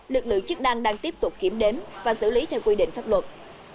lực lượng chức năng đang tiếp tục kiểm đếm và xử lý theo quy định pháp luật